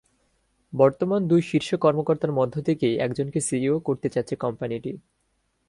বর্তমান দুই শীর্ষ কর্মকর্তার মধ্য থেকেই একজনকে সিইও করতে চাচ্ছে কোম্পানিটি।